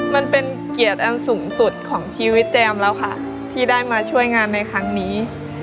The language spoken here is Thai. มันเป็นเกียรติอันสูงสุดของชีวิตแจมแล้วค่ะที่ได้มาช่วยงานในครั้งนี้